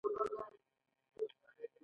دا په ګډه په یوه موضوع اجرا کیږي.